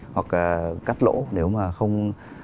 hoặc cắt lỗ nếu mà không